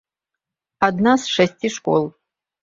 Адна з шасці школ.